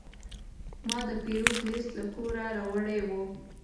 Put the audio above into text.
ما د پیرود لیست له کوره راوړی و.